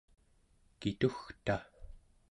kitugta